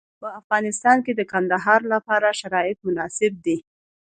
په افغانستان کې د کندهار لپاره شرایط مناسب دي.